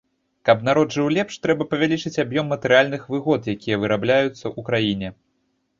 Каб народ жыў лепш, трэба павялічваць аб'ём матэрыяльных выгод, якія вырабляюцца ў краіне.